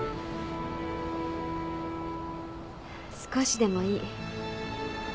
少しでもいい。